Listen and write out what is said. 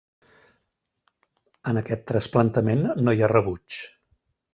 En aquest trasplantament no hi ha rebuig.